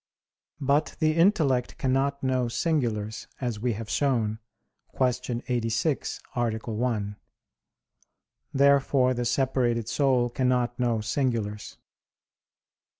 But the intellect cannot know singulars, as we have shown (Q. 86, A. 1). Therefore the separated soul cannot know singulars.